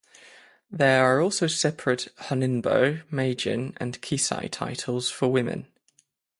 There are also separate Honinbo, Meijin, and Kisei titles for women.